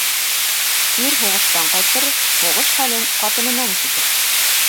Ир һуғыштан ҡайтыр, һуғыш хәлен ҡатынынан ишетер.